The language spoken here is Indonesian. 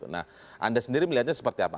nah anda sendiri melihatnya seperti apa